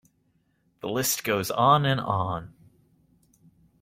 The list goes on and on.